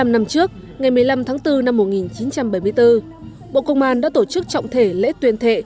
bốn mươi năm năm trước ngày một mươi năm tháng bốn năm một nghìn chín trăm bảy mươi bốn bộ công an đã tổ chức trọng thể lễ tuyên thệ